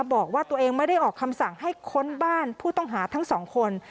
บอกว่าตัวเองไม่ได้ออกคำสั่งให้ค้นบ้านผู้ต้องหาทั้งสองคน